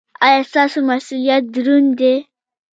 ایا ستاسو مسؤلیت دروند دی؟